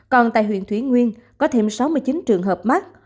còn tại huyện thủy nguyên có thêm sáu mươi chín trường hợp mắc